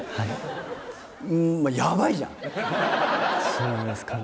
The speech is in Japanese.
そうですかね。